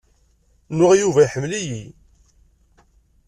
Nwiɣ Yuba iḥemmel-iyi.